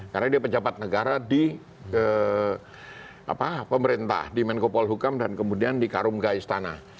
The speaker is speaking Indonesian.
karena dia pejabat negara di pemerintah di menkopol hukam dan kemudian di karungga istana